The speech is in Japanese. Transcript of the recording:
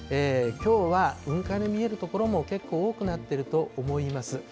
きょうは雲海の見える所も結構多くなっていると思います。